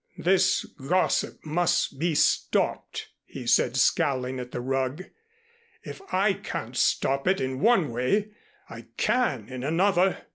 "This gossip must be stopped," he said scowling at the rug. "If I can't stop it in one way, I can in another."